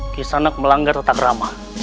kisanak melanggar tetak ramah